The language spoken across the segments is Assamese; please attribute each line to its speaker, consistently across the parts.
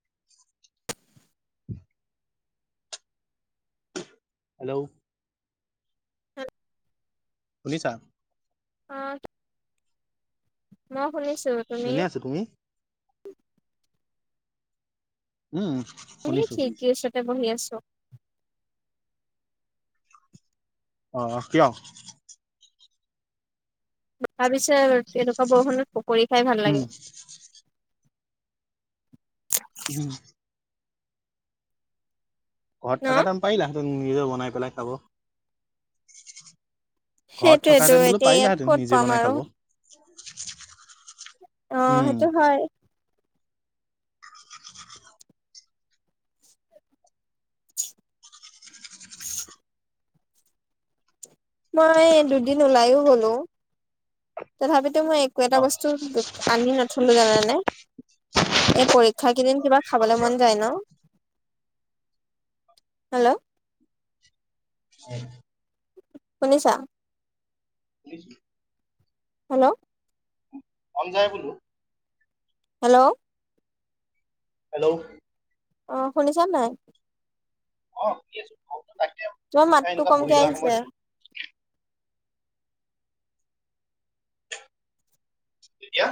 Speaker 1: [inaudible] হেল্ল'? শুনিছা?
Speaker 2: অ, মই শুনিছ
Speaker 1: এনেই আছো তুমি? উম।
Speaker 2: এ
Speaker 1: শুনিছো শুনিছো
Speaker 2: খিৰকী ওচৰতে বহি আছোঁ।
Speaker 1: অ কিয়?
Speaker 2: তথা পিছে তেনেকুৱা বৰষুনত
Speaker 1: উম। উম। ঘৰত থকা ন পাৰিলাহেঁতেন নিজে বনাই পেলাই খাব। ঘৰত
Speaker 2: সেইটোয়েতো
Speaker 1: থকাহেঁতেন বোলো
Speaker 2: এতিয়া ইয়াত
Speaker 1: পাৰিলাহেঁতেন
Speaker 2: ক'ত
Speaker 1: নিজে
Speaker 2: পাম
Speaker 1: বনাই
Speaker 2: আৰু
Speaker 1: খাব।
Speaker 2: অ,
Speaker 1: উম।
Speaker 2: সেইটো হয়।
Speaker 1: উ। [inaudible]
Speaker 2: [inaudible] মই দুদিন ওলাই ও গ'লো তথাপিতো মই একো এটা বস্তু দুত পানি নথলো জানা নে? এই পৰীক্ষা কেইদিন কিবা খাবলৈ মন যায় ন? হেল্ল'?
Speaker 1: এ
Speaker 2: শুনিছা? হেল্ল'?
Speaker 1: অমজায় বোলো।
Speaker 2: হেল্ল'?
Speaker 1: হেল্ল'?
Speaker 2: অ শুনিছা নাই?
Speaker 1: অ, ঠিক আছো। তাক
Speaker 2: তোমাৰ
Speaker 1: খাই
Speaker 2: মাতটো
Speaker 1: এনেকুৱা বহি
Speaker 2: কমকে
Speaker 1: থকা সময়ত
Speaker 2: আহিছে।
Speaker 1: এতিয়া?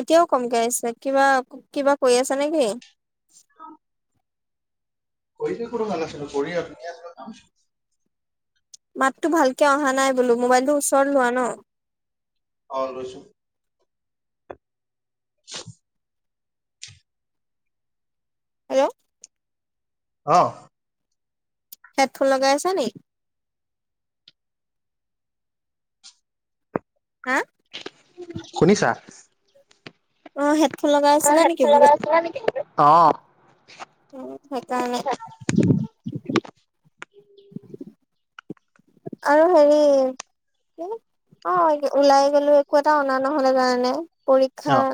Speaker 2: এতিয়াও কমকে আহিছে কিবা- কিবা কৈ আছা নেকি?
Speaker 1: কৰি কি কো মালাছুো কৰি আুনি আিবা কামোন [unintelligible]
Speaker 2: মাততো ভালকে অহা নাই বোলো, মোবাইলটোৰ ওচৰত লোৱা ন।
Speaker 1: অ লৈছোঁ। [inaudible]
Speaker 2: হেল্ল'।
Speaker 1: অ।
Speaker 2: হেডফোন লগাই আছা নি? হা?
Speaker 1: শুনিছা?
Speaker 2: অ, হেডফোন লগা
Speaker 1: অ, হেডফোন লগাই আছিলা নেকি? অ।
Speaker 2: উম সেইকাৰণে। আৰু হেৰি অ, ওলাই গ'লো একো এটা অনা নহলে কাৰণে। পৰীক্ষা
Speaker 1: অ'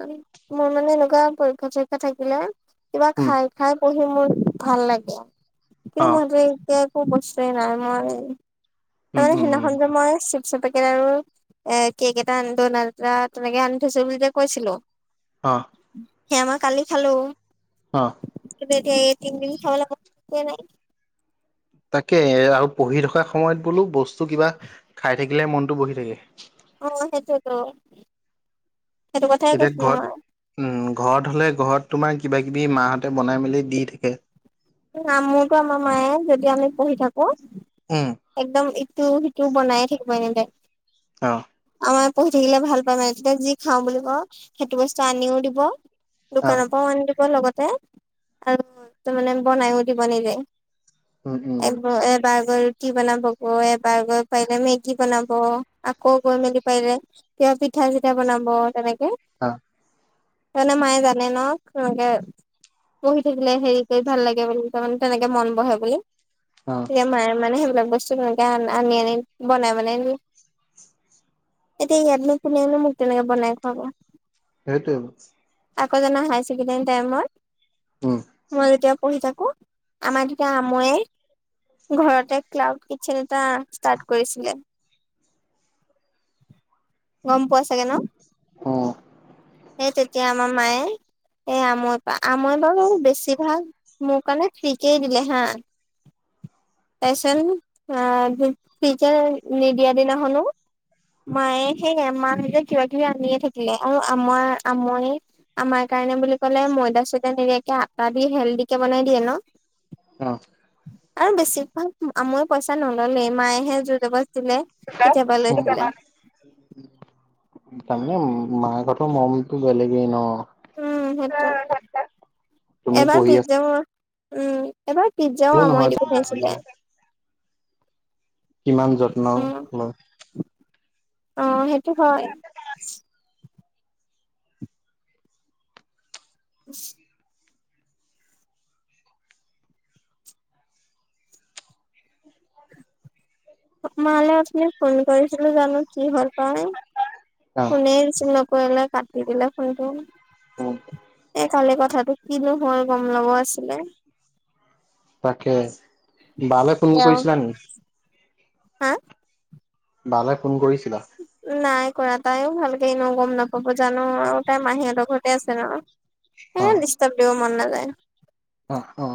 Speaker 2: মোৰ মানে এনেকুৱা পৰীক্ষা চৰীক্ষা থাকিলে কিবা
Speaker 1: উম,
Speaker 2: খাই খাই পঢ়ি মোৰ ভাল লাগে কিন্তু
Speaker 1: অ'
Speaker 2: মই এতিয়া একো কষ্টয় নাই মই
Speaker 1: উম,
Speaker 2: তাৰমানে
Speaker 1: উম, উম,
Speaker 2: সেইদিনাখন যে মই আছো। পেকেট আৰু এ কেক এটা আনি ডনাল্ এটা তেনেকে আনি থৈছো বুলি যে কৈছিলো
Speaker 1: অ।
Speaker 2: সেমাৰ কালি খালো।
Speaker 1: অ।
Speaker 2: কিন্তু এতিয়া তিন দিন খাবলৈ বস্তু এ নাই।
Speaker 1: তাকে আৰু পঢ়ি থকা সময়ত বোলো বস্তু কিবা খাই থাকিলে মনতটো বহি থাকে।
Speaker 2: অ, সেইটোৱেইটো।
Speaker 1: এতিয়া
Speaker 2: মই
Speaker 1: ঘৰত উ ঘৰত হলে ঘৰত তোমাৰ কিবা কিবি মাহঁতে বনাই মেলি দি থাকে।
Speaker 2: মোৰতো আমাৰ মায়ে যদি আমি পঢ়ি থাকো
Speaker 1: উম।
Speaker 2: একদম ইটো সিটো বনাইে থাকিব এনে।
Speaker 1: অ।
Speaker 2: আমাৰ পঢ়ি থাকিলে ভাল পায় মানে তেতিয়া যি খাওঁ বুলি ক সেইটো বস্তু আনিও দিব।
Speaker 1: অ
Speaker 2: দোকানৰ পৰাও আনি দিব লগতে আৰু তাৰ মানে বনাই দিব নিজে।
Speaker 1: উম উম
Speaker 2: এ এ বগৰ [unintelligible] কি বনাব গৈ এবাৰ গৈ পাৰিলে মেগী বনাব আকৌ গৈ মেলি পাৰিলে। কিয় পিঠা চিঠা বনাব তেনেকে।
Speaker 1: অ।
Speaker 2: তণে মায়ে জানে ন, সেনেকে পহি থাকিলে হেৰি কৰি ভাল লাগে বুলি তাৰমানে তেনেকে মন বহে বুলি
Speaker 1: অ
Speaker 2: তেতিয়া মায়ে মানে সেইবিলাক বস্তুনেকে আ আনি আনি বনাই মনাই এতিয়া ইয়াত নো কোনে নো মোক তেনেকে বনাই খোৱাাব।
Speaker 1: সেইটোৱে।
Speaker 2: আকৌ জ হড টাইম
Speaker 1: উম
Speaker 2: মইতিয়া [unintelligible] পঢ়ি থাকো আমাৰ তেতিয়া আমায় ঘৰতে ক্লাউড কিটচেন এটা ষ্টাৰ্ট কৰিছিলে।
Speaker 1: [inaudible]
Speaker 2: গম পোৱা চাগে ন?
Speaker 1: অ।
Speaker 2: সেই তেতিয়া আমাৰ মায়ে এই আমৈ পৰা আমৈ বাৰু বেছি ভাল। মোৰ কাৰনে ফ্ৰীকে দিলে হা। তাইচন আহ ফী ফ্ৰীকে নিদিয়া দিনাখনো মায়ে সেই মাহঁতে কিবা কিবি আনিয়ে থাকিলে আৰু আমাৰ আমৈ আমাৰ কাৰণে বুলি ক'লে ময়দা - চয়দা নিদিয়াকে আটা দি হেল্ডিকে বনাই দিয়ে ন।
Speaker 1: অ।
Speaker 2: আৰু বেছিভাগ আমৈ পইচা নললে মায়েহে জুৰ জবজ দিলে। কেতিয়াবা
Speaker 1: উম
Speaker 2: লৈছিলে।
Speaker 1: তাৰমানে মাকহতৰ মৰমতো বেলেগে ন।
Speaker 2: উম সেইটোৱে,
Speaker 1: তুমি
Speaker 2: এমান
Speaker 1: পঢ়ি
Speaker 2: বি যাম উম এবাৰ পিজ্জাও
Speaker 1: আছাও নহয়
Speaker 2: আমৈ দি
Speaker 1: কিবা
Speaker 2: পঠাইছিলে।
Speaker 1: হলেও কিমান যত্ন
Speaker 2: উম
Speaker 1: লয়।
Speaker 2: অ সেইটো হয়। উ মালে আপুনি ফোন কৰিছিলো জানো কি হল পাই?
Speaker 1: অ
Speaker 2: ফুনে ৰিচিভ ন কৰিলে কাটি দিলে ফোনটো।
Speaker 1: উম।
Speaker 2: এ কালি কথাটো কিনো হয় গম লব আছিলে?
Speaker 1: তাকে বালে ফোন কৰিছিলা
Speaker 2: গাঁৱলে,
Speaker 1: নেকি
Speaker 2: হা!
Speaker 1: বালে ফোন কৰিছিলা?
Speaker 2: নাই কৰা তাইও ভালকে এনেও গম নাপাব জানো আৰু তাই মাহীহতৰ ঘৰতে আছে ন। হে দিষ্টাব দিব মন নাযায়।
Speaker 1: অহ অ।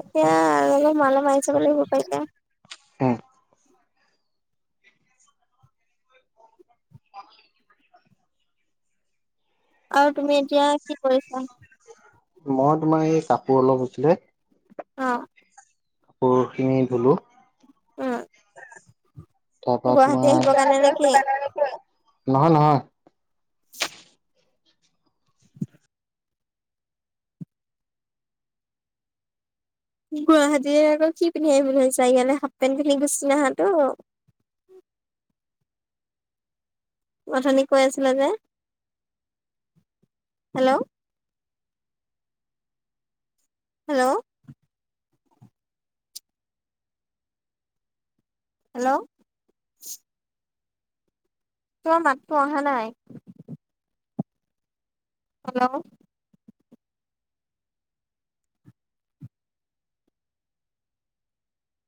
Speaker 2: এতিয়া অলপ মাল মাইছে বলে হ পাইতি।
Speaker 1: হে। অ।
Speaker 2: আৰু তুমি এতিয়া কি কৰিছা?
Speaker 1: মই তোমাৰ এই কাপোৰ অলপ হৈছিলে।
Speaker 2: অ।
Speaker 1: কাপোৰ খিনি ধুলো।
Speaker 2: উম,
Speaker 1: তাৰপা
Speaker 2: গুৱাহাটী আহিব
Speaker 1: তোমাৰ
Speaker 2: কাৰণে নে কি?
Speaker 1: নহয় নহয়।
Speaker 2: [inaudible] গুৱাহাটীৰে আকৌ কি পিন্ধি আহিম বুলি ভাবিছা ইয়ালে হাফপেণ্ট পিন্ধি গুচি আহাটো। অথনি কৈ আছিলা যে হেল্ল'? হেল্ল'? হেল্ল'! তোমাৰ মাততো অহা নাই? হেল্ল'?